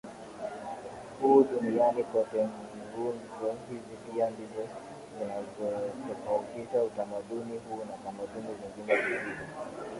huu duniani kote Nguzo hizi pia ndizo zinazoutofautisha utamaduni huu na tamaduni zingine zisizo